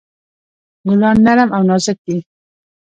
ګلان نرم او نازک دي.